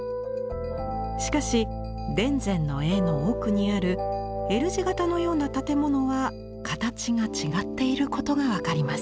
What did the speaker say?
しかし田善の絵の奥にあるＬ字型のような建物は形が違っていることが分かります。